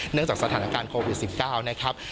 จากสถานการณ์โควิด๑๙นะครับ